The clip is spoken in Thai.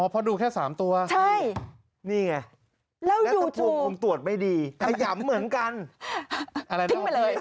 อ๋อเพราะดูแค่๓ตัวนี่ไงแล้วสมมุติคุณตรวจไม่ดีขยัมเหมือนกันทิ้งไปเลย